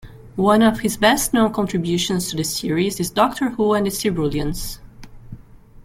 One of his best-known contributions to the series is "Doctor Who and the Silurians".